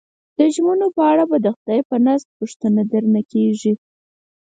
د ژمنو په اړه به د خدای په نزد پوښتنه درنه کېږي.